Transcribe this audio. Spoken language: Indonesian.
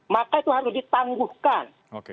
maka itu harus ditangguhkan